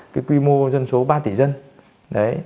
cái quy mô dân số ba triệu